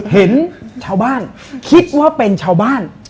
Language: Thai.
เห็นชาวบ้านคิดว่าเป็นชาวบ้าน